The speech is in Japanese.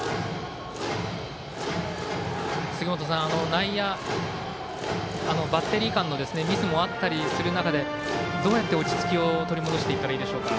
内野、バッテリー間のミスもあったりする中でどうやって落ち着きを取り戻していったらいいでしょうか。